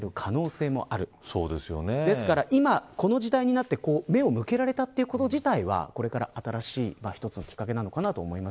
今、この時代になって目を向けられたということ自体はこれから新しい一つのきっかけになると思います。